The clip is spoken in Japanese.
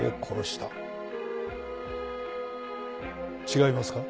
違いますか？